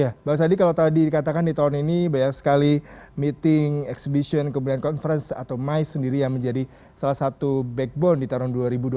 ya bang sandi kalau tadi dikatakan di tahun ini banyak sekali meeting exhibition kemudian conference atau mais sendiri yang menjadi salah satu backbone di tahun dua ribu dua puluh